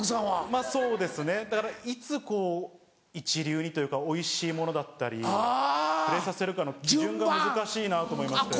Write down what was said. まぁそうですねだからいつこう一流にというかおいしいものだったり触れさせるかの基準が難しいなと思いまして。